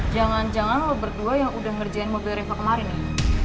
jangan jangan lo berdua yang udah ngerjain mobil reva kemarin nih